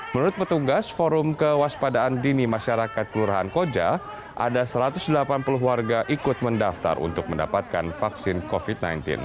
menurut petugas forum kewaspadaan dini masyarakat kelurahan koja ada satu ratus delapan puluh warga ikut mendaftar untuk mendapatkan vaksin covid sembilan belas